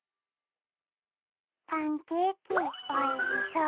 パンケーキおいしそう。